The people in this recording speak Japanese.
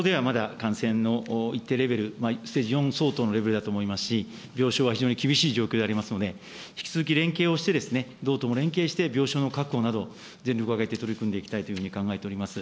感染の一定レベル、ステージ４相当のレベルだと思いますし、病床は非常に厳しい状況でありますので、引き続き連携をして、道とも連携して、病床の確保など、全力を挙げて取り組んでいきたいというふうに考えております。